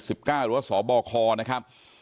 หรือว่าสบคนะครับ